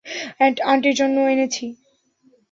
আন্টির জন্য এনেছি।